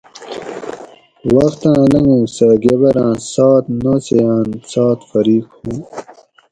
وختاں لنگوگ سہ گبراں سات نوسیان سات فریق ھو